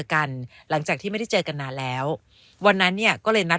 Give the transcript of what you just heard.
กันหลังจากที่ไม่ได้เจอกันนานแล้ววันนั้นเนี่ยก็เลยนัด